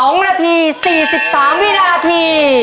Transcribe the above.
๒นาที๔๓วินาที